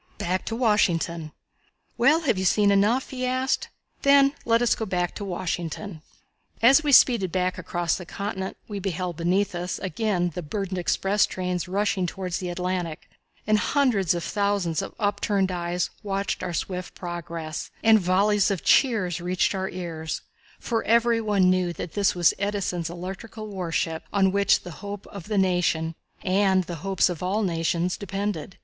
Back to Washington. "Well, have you seen enough?" he asked. "Then let us go back to Washington." As we speeded back across the continent we beheld beneath us again the burdened express trains rushing toward the Atlantic, and hundreds of thousands of upturned eyes watched our swift progress, and volleys of cheers reached our ears, for every one knew that this was Edison's electrical warship, on which the hope of the nation, and the hopes of all the nations, depended.